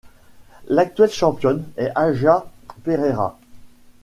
L'actuelle championne est Aja Perera.